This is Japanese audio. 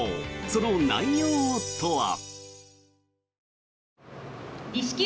その内容とは。